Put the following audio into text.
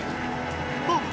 あっ！